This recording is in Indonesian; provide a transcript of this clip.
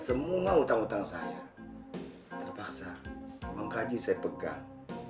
biar semua utang utang saya terpaksa uang gaji saya pegang